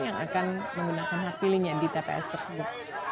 yang akan menggunakan hak pilihnya di tps tersebut